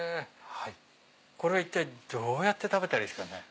これは一体どうやって食べたらいいですかね？